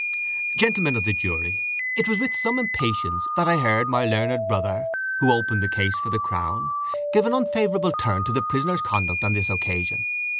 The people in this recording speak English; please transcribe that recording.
"Gentlemen of the jury, it was with some impatience that I heard my learned brother, who opened the case for the crown, give an unfavourable turn to the prisoner's conduct on this occasion.